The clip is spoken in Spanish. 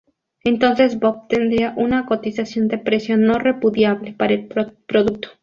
Entonces Bob tendría una cotización de precio no-repudiable para el producto.